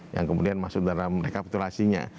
yang kemudian masuk dalam rekapitulasinya